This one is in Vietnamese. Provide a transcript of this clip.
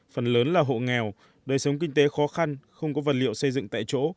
phần lớn là hộ nghèo đời sống kinh tế khó khăn không có vật liệu xây dựng tại chỗ